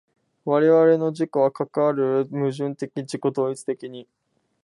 我々の自己はかかる矛盾的自己同一的に